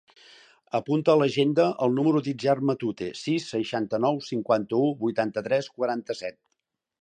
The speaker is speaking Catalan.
Apunta a l'agenda el número de l'Itziar Matute: sis, seixanta-nou, cinquanta-u, vuitanta-tres, quaranta-set.